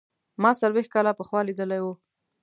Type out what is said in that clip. ما څلوېښت کاله پخوا لیدلی و.